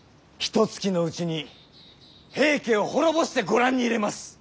ひとつきのうちに平家を滅ぼしてご覧に入れます。